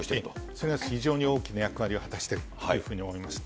それが非常に大きな役割を果たしているというふうに思います。